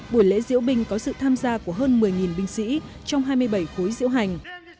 buổi lễ diễu binh có sự tham gia của hơn một mươi binh sĩ trong hai mươi bảy khối diễu hành